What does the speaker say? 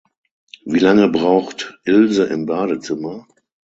Wie lange braucht Ilse im Badezimmer?